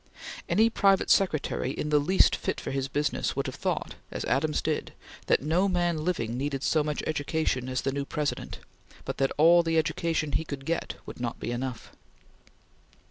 Any private secretary in the least fit for his business would have thought, as Adams did, that no man living needed so much education as the new President but that all the education he could get would not be enough.